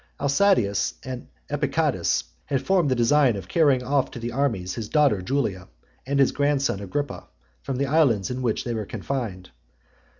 Audasius and Epicadus had formed the design of carrying off to the armies his daughter Julia, and his grandson Agrippa, from the islands in which they were confined.